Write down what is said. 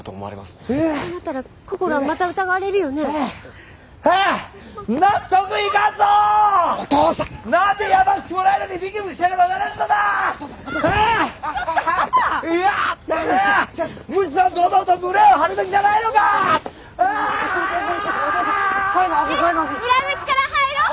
ねえ裏口から入ろう！